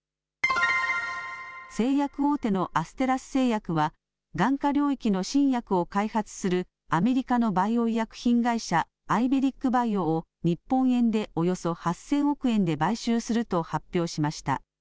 製薬大手のアステラス製薬は眼科領域の新薬を開発するアメリカのバイオ医薬品会社、アイベリック・バイオを日本円でおよそ８０００億円で買収すると発表しました。